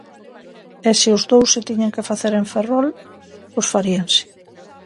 E se os dous se tiñan que facer en Ferrol, pois faríanse.